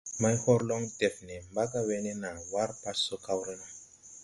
Maihorlong def nee mbaga we ne naa ʼwar pa so kawre no.